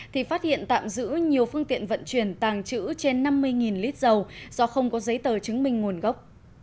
thì phát hiện tạm giữ nhiều phương tiện vận chuyển tàng trữ trên năm mươi lít dầu do không có giấy tờ chứng minh nguồn gốc